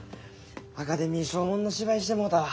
アカデミー賞もんの芝居してもうたわ。